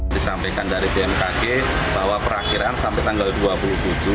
disampaikan dari bmkg bahwa perakhiran sampai tanggal dua puluh tujuh